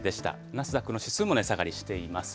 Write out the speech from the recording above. ナスダックの指数も値下がりしています。